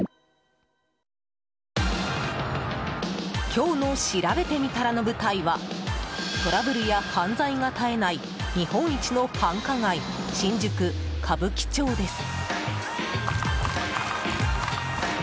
今日のしらべてみたらの舞台はトラブルや犯罪が絶えない日本一の繁華街新宿・歌舞伎町です。